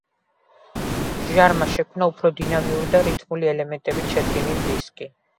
ჟარმა შექმნა უფრო დინამიური და რითმული ელემენტებით შედგენილი დისკი.